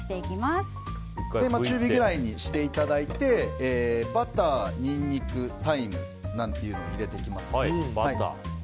中火くらいにしていただいてバター、ニンニク、タイムを入れていきます。